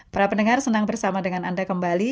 para pendengar senang bersama dengan anda kembali